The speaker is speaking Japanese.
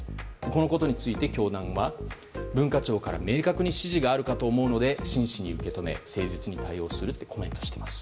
このことについて教団は文化庁から明確に指示があるかと思うので真摯に受け止め誠実に対応するとコメントしています。